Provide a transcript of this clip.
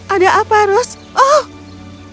ada apa rassen